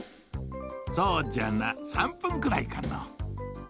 そうじゃな３分くらいかの。